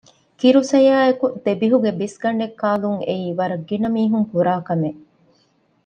ކިރު ސަޔާއެކު ދެބިހުގެ ބިސްގަނޑެއް ކާލުން އެއީ ވަރަށް ގިނަމީހުން ކުރާކަމެއް